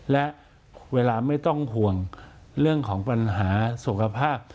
และเวลาไม่ต้องห่วงเรื่องของปัญหาสุขภาพ